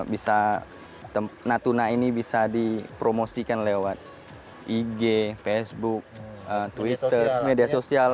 bisa natuna ini bisa dipromosikan lewat ig facebook twitter media sosial